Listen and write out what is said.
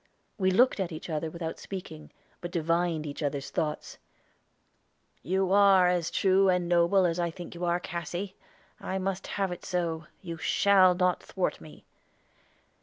We looked at each other without speaking, but divined each other's thoughts. "You are as true and noble as I think you are, Cassy. I must have it so. You shall not thwart me."